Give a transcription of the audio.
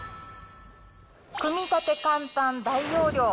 組み立て簡単、大容量。